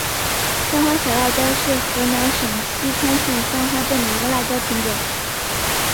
香花小辣椒是河南省淅川县香花镇的一个辣椒品种。